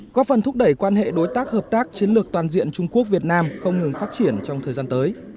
góp phần thúc đẩy quan hệ đối tác hợp tác chiến lược toàn diện trung quốc việt nam không ngừng phát triển trong thời gian tới